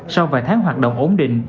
sau vài tháng hoạt động ổn định